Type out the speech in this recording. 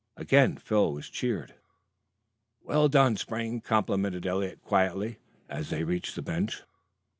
Again Phil was cheered. "Well done, Spring," complimented Eliot quietly, as Phil reached the bench.